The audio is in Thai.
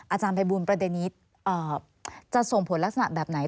อาจารย์ภัยบูลประเด็นนี้จะส่งผลลักษณะแบบไหน